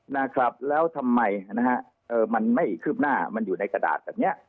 นะครับแล้วทำไมนะฮะเอ่อมันไม่คืบหน้ามันอยู่ในกระดาษแบบเนี้ย